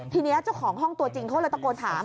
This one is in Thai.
ทีนี้เจ้าของห้องตัวจริงเขาเลยตะโกนถาม